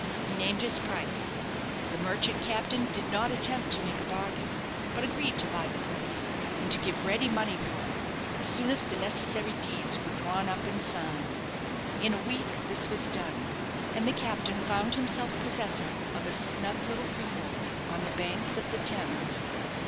He named his price. The merchant captain did not attempt to make a bargain; but agreed to buy the place, and to give ready money for it, as soon as the necessary deeds were drawn up and signed. In a week this was done, and the captain found himself possessor of a snug little freehold on the banks of the Thames.